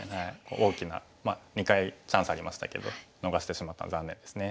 大きな２回チャンスありましたけど逃してしまったのは残念ですね。